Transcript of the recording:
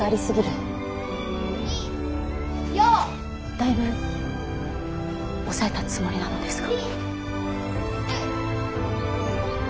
だいぶ抑えたつもりなのですが。